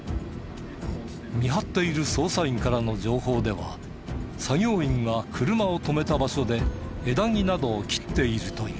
見張っている捜査員からの情報では作業員が車を止めた場所で枝木などを切っているという。